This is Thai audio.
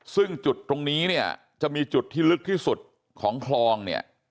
ซึ่งจุดตรงนี้เนี่ยจะมีจุดที่ลึกที่สุดของคลองเนี่ย